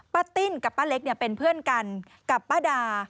ติ้นกับป้าเล็กเป็นเพื่อนกันกับป้าดา